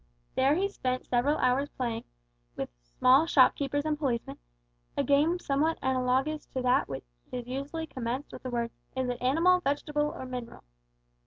There he spent several hours in playing, with small shopkeepers and policemen, a game somewhat analogous to that which is usually commenced with the words "Is it animal, vegetable, or mineral?"